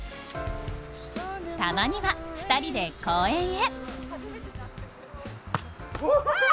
たまには２人で公園へ。